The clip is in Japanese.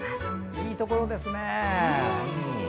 いいところですね。